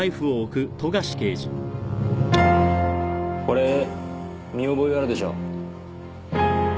これ見覚えあるでしょ？